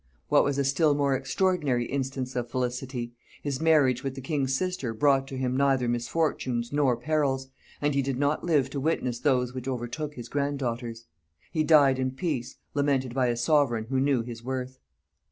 What was a still more extraordinary instance of felicity, his marriage with the king's sister brought to him neither misfortunes nor perils, and he did not live to witness those which overtook his grand daughters. He died in peace, lamented by a sovereign who knew his worth.